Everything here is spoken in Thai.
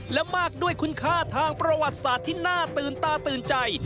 และมากด้วยคุณค่าทางประวัติศาสตร์ที่น่าตื่นตาตื่นใจ